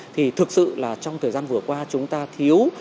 thì thực sự là trong thời gian vừa qua chúng ta thiếu